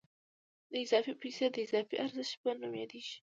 دا اضافي پیسې د اضافي ارزښت په نوم یادېږي